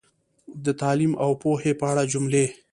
د تعلیم او پوهې په اړه جملې